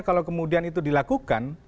kalau kemudian itu dilakukan